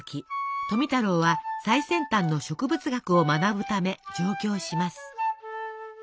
富太郎は最先端の植物学を学ぶため上京します。